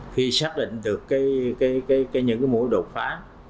khi xác định được những mũi đột phá